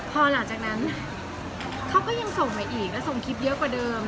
พอหลังจากนั้นเขาก็ยังส่งมาอีกแล้วส่งคลิปเยอะกว่าเดิม